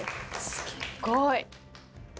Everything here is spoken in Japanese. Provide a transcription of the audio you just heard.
すっごい。